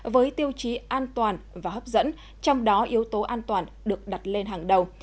với tiêu chí an toàn và hấp dẫn trong đó yếu tố an toàn được đặt lên hàng đầu